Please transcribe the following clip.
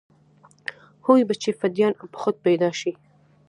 هو بچى فدايان به خود پيدا شي.